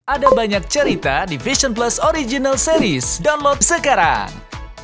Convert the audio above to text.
ada banyak cerita di vision plus original series download sekarang